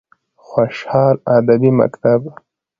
خوشحال ادبي مکتب: